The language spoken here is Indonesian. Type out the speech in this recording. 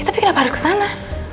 ya tapi kenapa harus ke sana